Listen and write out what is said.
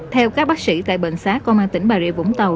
theo các bác sĩ tại bệnh xá công an tỉnh bà rịa vũng tàu